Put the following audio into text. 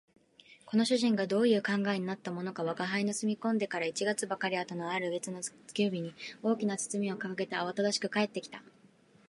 この主人がどういう考えになったものか吾輩の住み込んでから一月ばかり後のある月の月給日に、大きな包みを提げてあわただしく帰って来た